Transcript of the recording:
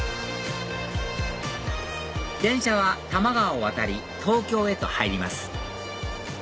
電車は多摩川を渡り東京へと入ります